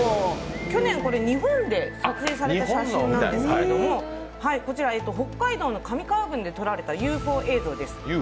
去年、日本で撮影された写真なんですけれども、北海道の上川郡で撮られたＵＦＯ映像です。